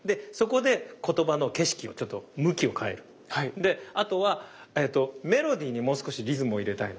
であとはえっとメロディーにもう少しリズムを入れたいの。